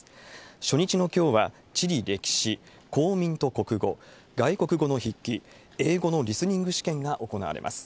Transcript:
初日のきょうは、地理歴史、公民と国語、外国語の筆記、英語のリスニング試験が行われます。